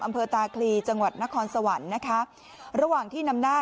อำเภอตาคลีจังหวัดนครสวรรค์นะคะระหว่างที่นำหน้า